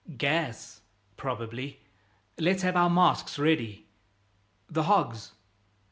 "Gas, probably. Let's have our masks ready." "The hogs!"